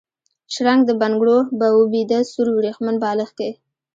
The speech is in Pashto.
شرنګ د بنګړو، به و بیده سور وریښمین بالښت کي